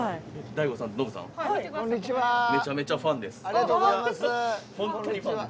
ありがとうございます。